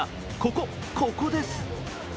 ここ、ここです。